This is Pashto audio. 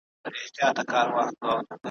د ربابونو دور به بیا سي ,